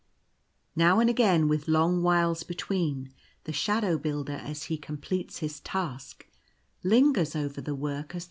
Now and again, with long whiles between, the Shadow Builder as he completes his task lingers over the work as though he loves it.